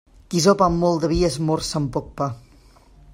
Qui sopa amb molt de vi esmorza amb poc pa.